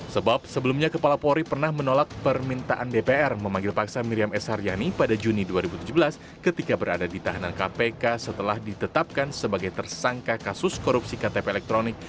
sebab sebelumnya kepala polri pernah menolak permintaan dpr memanggil paksa miriam s haryani pada juni dua ribu tujuh belas ketika berada di tahanan kpk setelah ditetapkan sebagai tersangka kasus korupsi ktp elektronik